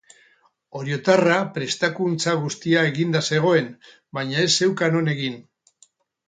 Oriotarra prestakuntza guztia eginda zegoen, baina ez zeukan non egin.